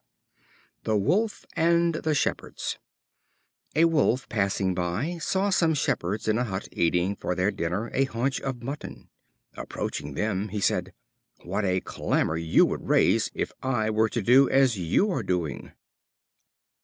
The Wolf and the Shepherds. A Wolf passing by, saw some shepherds in a hut eating for their dinner a haunch of mutton. Approaching them, he said: "What a clamor you would raise, if I were to do as you are doing!"